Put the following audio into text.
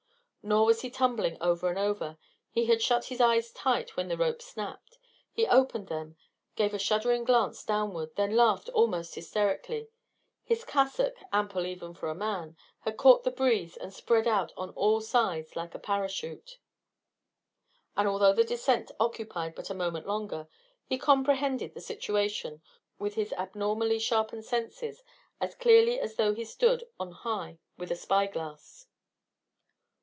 Nor was he tumbling over and over. He had shut his eyes tight when the rope snapped. He opened them, gave a shuddering glance downward, then laughed almost hysterically: his cassock, ample even for a man, had caught the breeze and spread out on all sides like a parachute. And although the descent occupied but a moment longer, he comprehended the situation, with his abnormally sharpened senses, as clearly as though he stood on high with a spy glass.